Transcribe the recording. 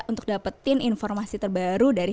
untuk dapetin informasi terbaru dari